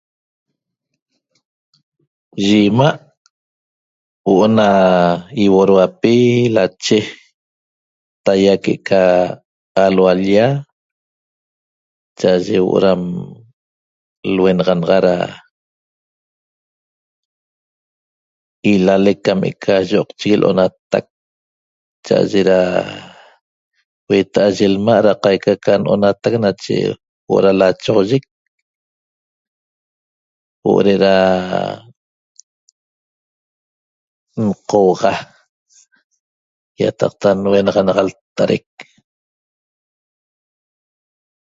Yi 'ima' huo'o na ýiuodhuapi lache taýa que'eca alhua l-lla cha'aye huo'o dam luenaxanaxa da ilalec cam eca yioqchigui lo'onanatac cha'aye da hueta'a yi lma' da qaica ca no'onatac nache huo'o da lachoxoyic huo'o de'eda nqouaxa ýataqta nuenaxanaxa lta'adaic